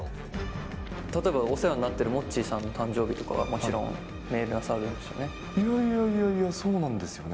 例えばお世話になってるモッチーさんの誕生日とかもちろんメールはされますよね？